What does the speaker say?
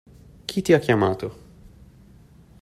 Chi ti ha chiamato?